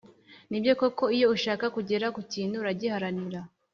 ni byo koko iyo ushaka kugera ku kintu uragiharanira,